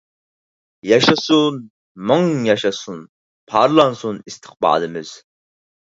ﻳﺎشاسۇن، ﻣﯩﯔ ياشاسۇن، ﭘﺎﺭﻻنسۇن ﺋﯩﺴﺘﯩﻘﺒﺎﻟﯩﻤﯩﺰ!